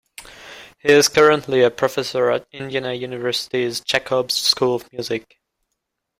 He is currently a professor at Indiana University's Jacobs School of Music.